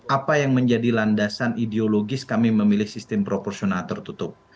apa yang menjadi landasan ideologis kami memilih sistem proporsional tertutup